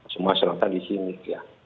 semua selatan di sini ya